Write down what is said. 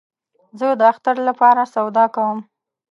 زه د اختر له پاره سودا کوم